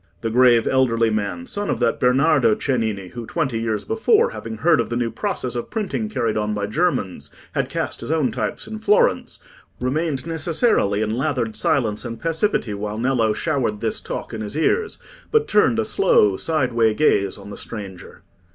The grave elderly man, son of that Bernardo Cennini, who, twenty years before, having heard of the new process of printing carried on by Germans, had cast his own types in Florence, remained necessarily in lathered silence and passivity while Nello showered this talk in his ears, but turned a slow sideway gaze on the stranger.